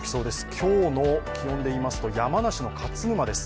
今日の気温でいいますと山梨の勝沼です